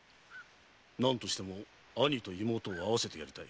何としても兄と妹を会わせてやりたい。